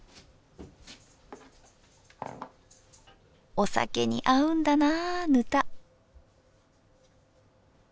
お酒に合うんだなぁぬた。